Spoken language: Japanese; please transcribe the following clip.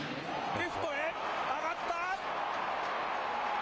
レフトへ、上がった。